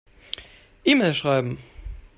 E-Mail schreiben.